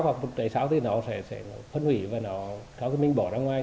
hoặc một tầy sáu thì nó sẽ phân hủy và nó mình bỏ ra ngoài